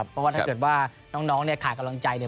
เพราะว่าถ้าเกิดว่าน้องเนี่ยขาดกำลังใจเนี่ย